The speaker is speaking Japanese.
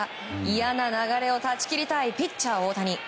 嫌な流れを断ち切りたいピッチャー大谷。